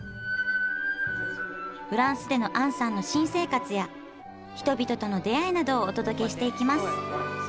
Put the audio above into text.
フランスでの杏さんの新生活や人々との出会いなどをお届けしていきます